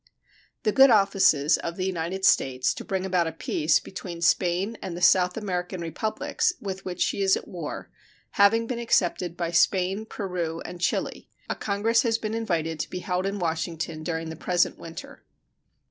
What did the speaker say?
The good offices of the United States to bring about a peace between Spain and the South American Republics with which she is at war having been accepted by Spain, Peru, and Chile, a congress has been invited to be held in Washington during the present winter.